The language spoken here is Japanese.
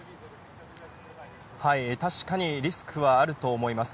確かにリスクはあると思います。